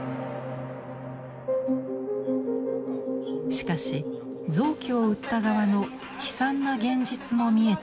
しかし臓器を売った側の悲惨な現実も見えてきました。